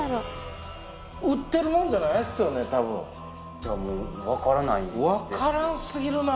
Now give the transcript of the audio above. いやもう分からないんです。